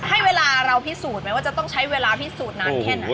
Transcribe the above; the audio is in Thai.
ให้เวลาเราพิสูจน์ไหมว่าจะต้องใช้เวลาพิสูจน์นานแค่ไหน